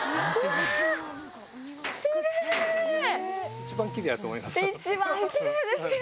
一番きれいだと思いますよ。